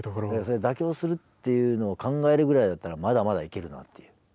妥協するっていうのを考えるぐらいだったらまだまだいけるなっていう。